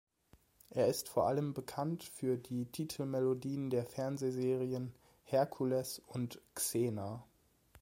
Er ist vor allem bekannt für die Titelmelodien der Fernsehserien "Hercules" und "Xena".